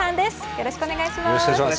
よろしくお願いします。